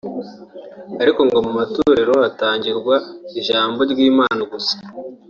ariko ngo mu matorero hatangirwa ijambo ry’Imana gusa